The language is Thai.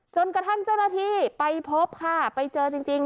จนกระทั่งเจ้าหน้าที่ไปเจอพระวิทธิ์จริง